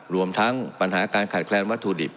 รวมทั้งปัญหาการขาดแคลนวัตถุดิบ